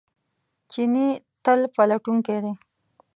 چیني تل پلټونکی دی.